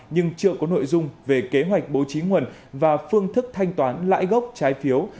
nhưng chưa có nội dung về kế hoạch bố trí nguồn và phương thức thanh toán lãi gốc trái phiếu